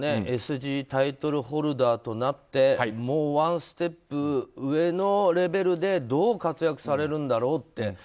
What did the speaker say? ＳＧタイトルホルダーとなってもうワンステップ上でどう活躍されるんだろうって